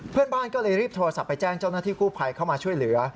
เพื่อนบ้านก็เลยรีบโทรศัพท์ไปแจ้งเจ้าหน้าที่กู้ภัยเข้ามาช่วยเหลือ